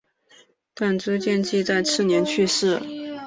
但朱见济在次年去世。